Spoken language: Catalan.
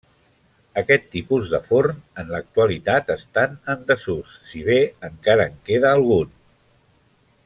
Aquests tipus de forn en l'actualitat estan en desús si bé encara en queda algun.